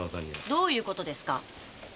どういうことですか？